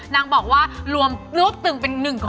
นางบอกว่ารวมรวบตึงเป็น๑ข้อ